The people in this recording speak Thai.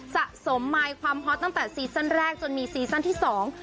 สะสมมายความฮอตตั้งแต่ซีซั่นแรกจนมีซีซั่นที่สอง